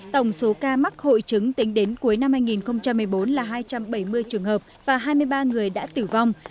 tổng số ca mắc hội chứng tính đến cuối năm hai nghìn một mươi bốn là hai trăm bảy mươi trường hợp và hai mươi ba người đã tử vong